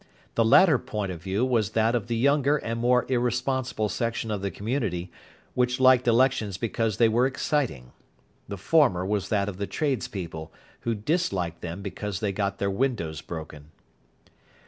The latter point of view was that of the younger and more irresponsible section of the community, which liked elections because they were exciting. The former was that of the tradespeople, who disliked them because they got their windows broken.